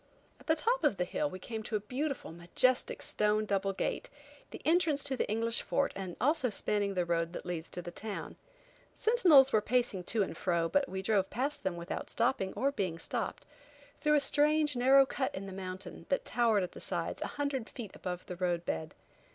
At the top of the hill we came to a beautiful, majestic, stone double gate, the entrance to the English fort and also spanning the road that leads to the town. Sentinels were pacing to and fro but we drove past them without stopping or being stopped, through a strange, narrow cut in the mountain, that towered at the sides a hundred feet above the road bed.